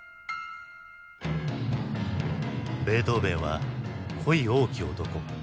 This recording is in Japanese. ベートーヴェンは恋多き男。